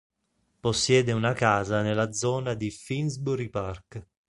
Possiede una casa nella zona di Finsbury Park.